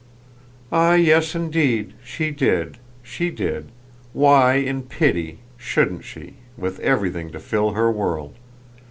"Ah yes indeed she did, she did: why in pity shouldn't she, with everything to fill her world?